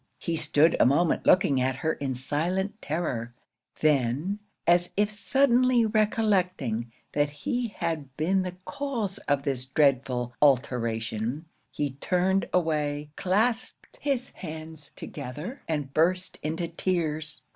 He stood a moment looking at her in silent terror; then, as if suddenly recollecting that he had been the cause of this dreadful alteration, he turned away, clasped his hands together, and burst into tears.